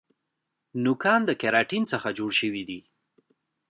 نوکان د کیراټین څخه جوړ شوي دي